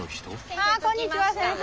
あこんにちは先生。